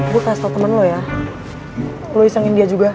gue kasih tau temen lo ya lo iseng india juga